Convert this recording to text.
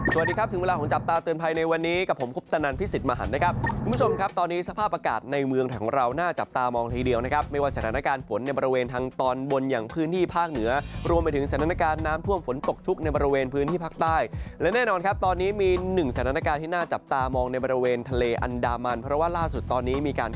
สวัสดีครับถึงเวลาของจับตาเตือนภัยในวันนี้กับผมคุกตะนันพิศิษฐ์มหันต์นะครับคุณผู้ชมครับตอนนี้สภาพอากาศในเมืองของเราน่าจับตามองทีเดียวนะครับไม่ว่าสถานการณ์ฝนในบริเวณทางตอนบนอย่างพื้นที่ภาคเหนือรวมไปถึงสถานการณ์น้ำท่วมฝนตกชุกในบริเวณพื้นที่ภาคใต้และแน่น